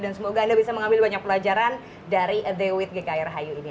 dan semoga anda bisa mengambil banyak pelajaran dari the with gkrhu ini